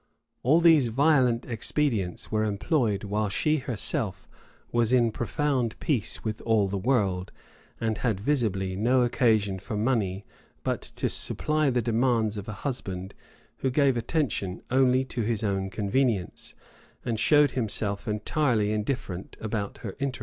[*] All these violent expedients were employed while she herself was in profound peace with all the world, and had visibly no occasion for money but to supply the demands of a husband who gave attention only to his own convenience, and showed himself entirely indifferent about her interests.